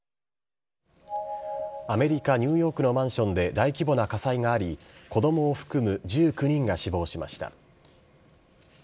アメリカ・ニューヨークのマンションで大規模な火災があり、子どもを含む１９人が死亡しました。